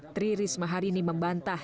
tri risma harini membantah